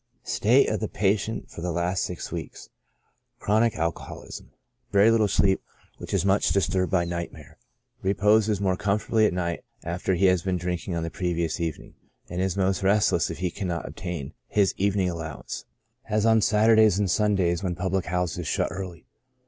State of the patient for the last six weeks — Chronic alcohol ism. — Very little sleep, which is much disturbed by night mare. Reposes more comfortably at night after he has been drinking on the previous evening, and is most restless if he cannot obtain his evening allowance, as on Saturdays and Sundays, when public houses shut early.